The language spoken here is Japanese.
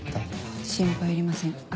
心配いりませんあ